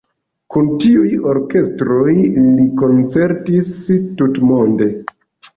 Kun tiuj orkestroj li koncertis tutmonde.